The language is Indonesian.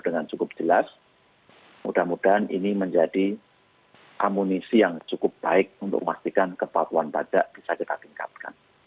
dengan cukup jelas mudah mudahan ini menjadi amunisi yang cukup baik untuk memastikan kepatuhan pajak bisa kita tingkatkan